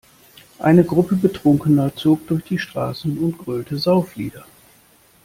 Eine Gruppe Betrunkener zog durch die Straßen und grölte Sauflieder.